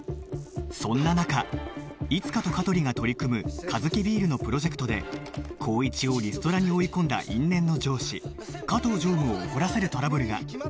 そんな中いつかと香取が取り組むカヅキビールのプロジェクトで紘一をリストラに追い込んだ因縁の上司加藤常務を怒らせるトラブルが